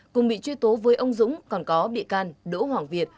cùng bị truy tố với ông dũng còn có bị can đỗ hoàng việt